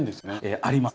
あります。